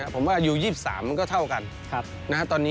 ผมว่าอยู่๒๓กันก็เท่ากัน